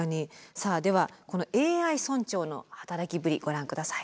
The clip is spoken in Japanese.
さあではこのＡＩ村長の働きぶりご覧下さい。